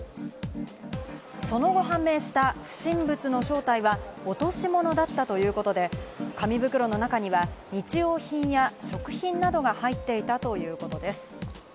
その後判明した、不審物の正体は落とし物だったということで、紙袋の中には日用品や食品などが入っていたということです。